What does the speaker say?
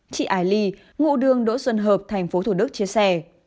chị ai ly ngụ đường đỗ xuân hợp tp hcm chia sẻ